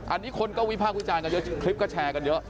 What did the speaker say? อันนี้คนก็วิพากษ์วิจารณ์กันเยอะคลิปก็แชร์กันเยอะ